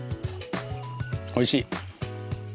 おいしい。